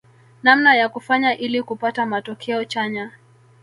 Namna ya kufanya ili kupata matokeo chanya